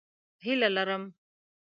هیله لرم